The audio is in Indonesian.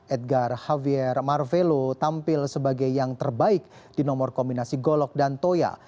edgar havier marvelo tampil sebagai yang terbaik di nomor kombinasi golok dan toya